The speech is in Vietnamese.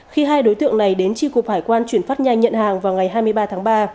khi hai đối tượng này đến tri cục hải quan chuyển phát nhanh nhận hàng vào ngày hai mươi ba tháng ba